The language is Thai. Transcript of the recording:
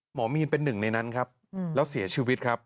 หมอมีนเป็นหนึ่งในนั้นครับแล้วเสียชีวิตครับ